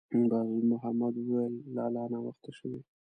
باز محمد ویې ویل: «لالا! ناوخته شوې.»